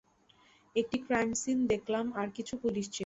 একটি crime scene দেখলাম আর কিছু পুলিশ ছিলো।